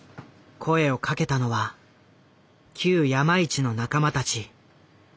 声を掛けたのは旧山一の仲間たち。